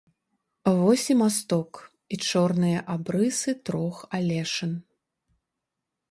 Вось і масток, і чорныя абрысы трох алешын.